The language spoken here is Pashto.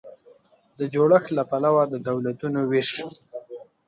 د جوړښت له پلوه د دولتونو وېش